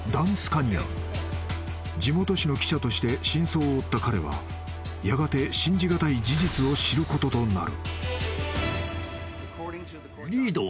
［地元紙の記者として真相を追った彼はやがて信じ難い事実を知ることとなる］